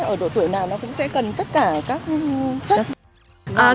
ở độ tuổi nào nó cũng sẽ cần tất cả các chất